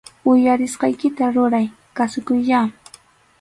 Uyarisqaykita ruray, kasukuyyá